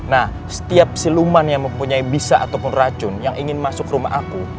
nah setiap siluman yang mempunyai bisa ataupun racun yang ingin masuk rumah aku